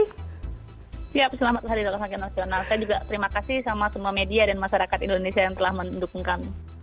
siap selamat hari dalam sakit nasional saya juga terima kasih sama semua media dan masyarakat indonesia yang telah mendukung kami